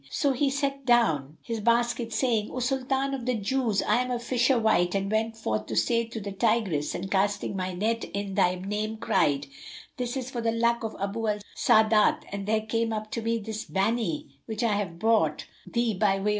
So he set down his basket, saying, "O Sultan of the Jews, I am a fisher wight and went forth to day to the Tigris and casting my net in thy name, cried, 'This is for the luck of Abu al Sa'adat;' and there came up to me this Banni which I have brought thee by way of present."